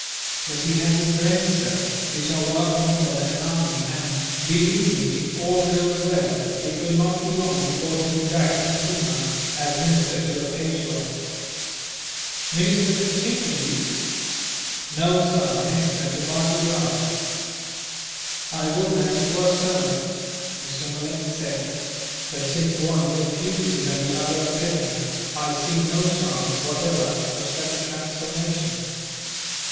"But he has his brains, sir, which are worth more than an army and, believe me, if all goes well, it will not be long before he is back in Poona, as minister to the Peishwa." "Minister to Chimnajee?" "No, sir, minister to Bajee Rao." "I would that it were so," Mr. Malet said, "but since one is a fugitive and the other a prisoner, I see no chance, whatever, of such a transformation."